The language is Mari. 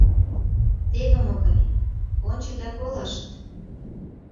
— Теве могай: ончо да колышт!